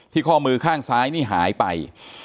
ข้อมือข้างซ้ายนี่หายไป